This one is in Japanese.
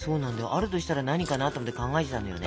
あるとしたら何かなと思って考えてたんだよね。